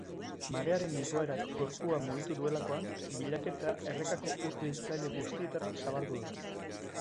Marearen igoerak gorpua mugitu duelakoan, bilaketa errekako ur biltzaile guztietara zabaldu da.